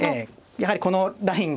やはりこのラインが。